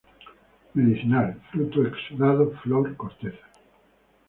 Medicinal: fruto, exudado, flor, corteza.